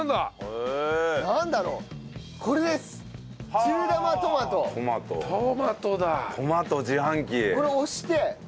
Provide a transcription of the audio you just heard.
これ押して。